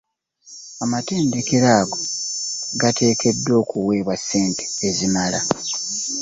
Amatendekero ago gateekeddwa okuweebwa ssente ezimala.